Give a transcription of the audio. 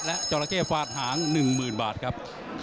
และจอราเก้ฟาดหางหนึ่งหมื่นบาทครับ